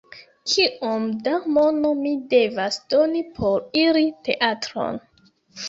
Kiom da mono mi devas doni por iri teatron?